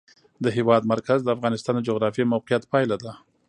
د هېواد مرکز د افغانستان د جغرافیایي موقیعت پایله ده.